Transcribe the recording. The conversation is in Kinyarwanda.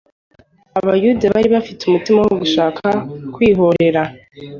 Abayuda bari bafite umutima wo gushaka kwihorera.